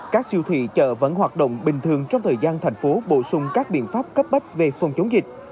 các siêu thị chợ vẫn hoạt động bình thường trong thời gian thành phố bổ sung các biện pháp cấp bách về phòng chống dịch